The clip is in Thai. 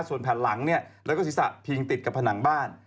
ส่วนแผ่นหลังแล้วก็ศีรษะพิงติดกับผนังบ้าน